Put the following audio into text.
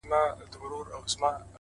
• ته پاچا ځان مي وزیر جوړ کړ ته نه وې,